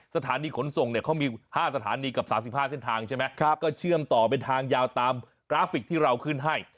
สถานีขนทรงเนี่ยเขามี๕สถานีต้องเชื่อมต่อเป็นทางยาวตามกราฟิกที่เราขึ้นให้